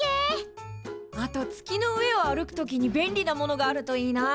あと月の上を歩く時に便利なものがあるといいな。